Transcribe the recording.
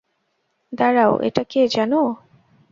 দাঁড়াও, এটা কে জানো?